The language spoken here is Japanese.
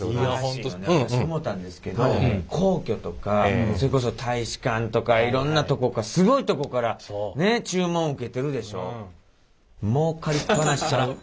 私思うたんですけど皇居とかそれこそ大使館とかいろんなすごいとこからね注文受けてるでしょう？